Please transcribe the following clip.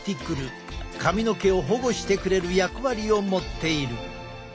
髪の毛を保護してくれる役割を持っている。